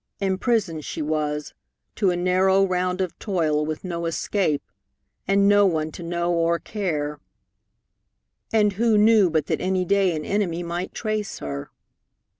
Imprisoned she was, to a narrow round of toil, with no escape, and no one to know or care. And who knew but that any day an enemy might trace her?